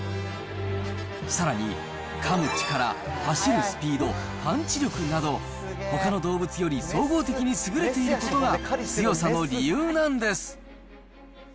さらに、かむ力、走るスピード、パンチ力など、ほかの動物より総合的に優れていることが強さの理由なんです。